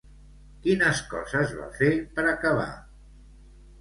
Quines coses va fer, per acabar?